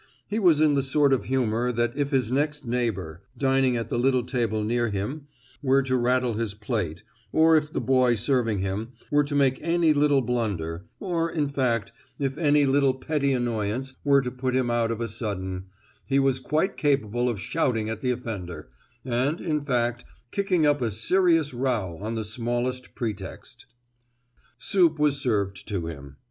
He was in the sort of humour that if his next neighbour—dining at the little table near him—were to rattle his plate, or if the boy serving him were to make any little blunder, or, in fact, if any little petty annoyance were to put him out of a sudden, he was quite capable of shouting at the offender, and, in fact, of kicking up a serious row on the smallest pretext. Soup was served to him.